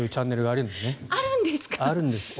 あるんですか。